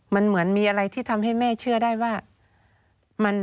มันเหมือนมีอะไรที่ทำให้แม่เชื่อได้ว่า